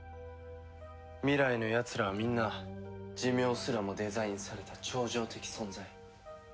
未来のやつらはみんな寿命すらもデザインされた超常的存在。